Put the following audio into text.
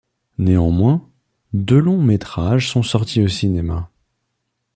Néanmoins, deux longs métrages sont sortis au cinéma.